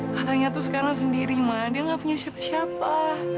katanya tuh sekarang sendiri ma dia nggak punya siapa siapa